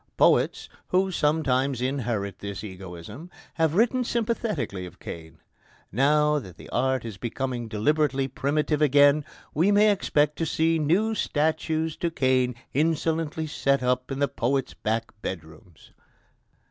Poets, who sometimes inherit this egoism, have written sympathetically of Cain: now that art is becoming deliberately primitive again, we may expect to see new statues to Cain insolently set up in the poets' back bedrooms.